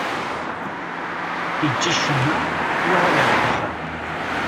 Iǧǧa ccemma, yuɣal ɣer ddexxan.